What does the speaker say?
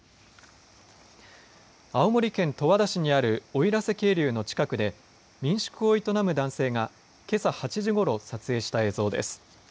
青森県十和田市にある奥入瀬渓流の近くで民宿を営む男性がけさ８時ごろ撮影した映像です。